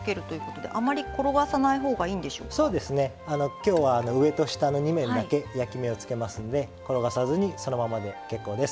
今日は上と下の２面だけ焼き目をつけますんで転がさずにそのままで結構です。